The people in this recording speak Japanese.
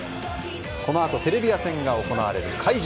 このあとセルビア戦が行われる会場。